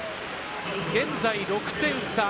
現在６点差。